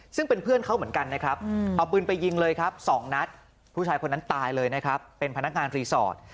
ซึ่งเป็นเพื่อนเขาเหมือนกันนะครับเอาปืนไปยิงเลยครับ๒นัดผู้ชายคนนั้นตายเลยนะครับเป็นพนักงานรีสอร์ท